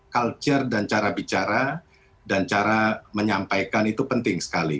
culture dan cara bicara dan cara menyampaikan itu penting sekali